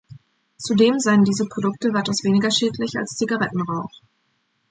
Zudem seien diese Produkte weitaus weniger schädlich als Zigarettenrauch.